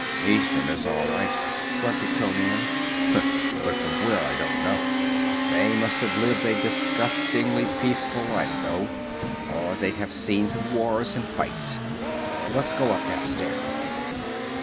"Easterners, all right," grunted Conan, "but from where I don't know. They must have lived a disgustingly peaceful life, though, or they'd have scenes of wars and fights. Let's go up that stair."